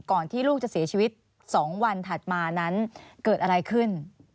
ที่ลูกจะเสียชีวิต๒วันถัดมานั้นเกิดอะไรขึ้น